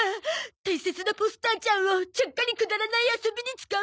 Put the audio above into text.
大切なポスターちゃんをちゃっかりくだらない遊びに使うなんて。